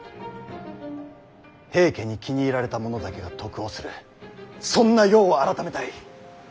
平家に気に入られた者だけが得をするそんな世を改めたい。